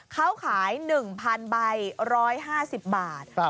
เขาขาย๑๐๐๐ใบ๑๕๐บาท